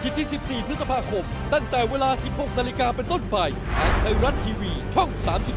สวัสดีครับทุกคน